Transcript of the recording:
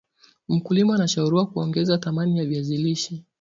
mkulima anashauriwa kuongeza dhamani ya viazi lishe